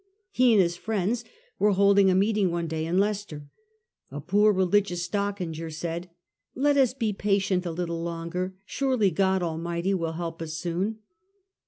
He and his friends were holding a meeting one day in Leicester. A poor religious stockinger said :' Let us be patient a little longer ; surely God Almighty will help us soon.